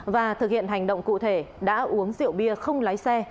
và thực hiện hành động cụ thể đã uống rượu bia không lái xe